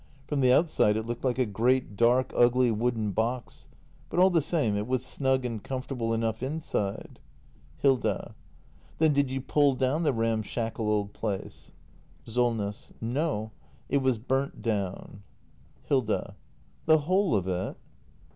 From the outside it looked like a great, dark, ugly wooden box; but all the same, it was snug and comfortable enough inside. Hil^a. Then did you pull down 1 le ramshackle old place i Soi ss. No, it was burnt down. act ii] THE MASTER BUILDER 345 Hilda. The whole of it